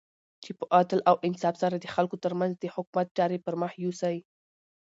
چی په عدل او انصاف سره د خلګو ترمنځ د حکومت چاری پرمخ یوسی